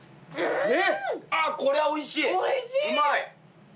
これはおいしい。